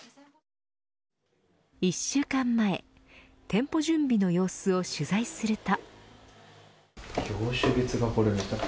１週間前店舗準備の様子を取材すると。